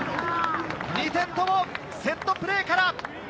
２点ともセットプレーから。